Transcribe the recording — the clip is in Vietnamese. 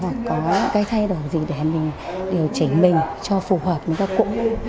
hoặc có những thay đổi gì để điều chỉnh mình cho phù hợp với các cụ